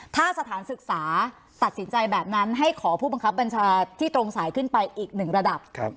ถ้าสถานศึกษาตัดสินใจแบบนั้นให้ขอผู้บังคับบัญชาที่ตรงสายขึ้นไปอีกหนึ่งระดับ